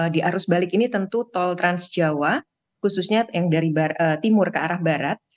di arus balik ini tentu tol transjawa khususnya yang dari timur ke arah barat